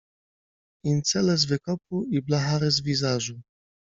Incele z Wykopu i blachary z Wizażu.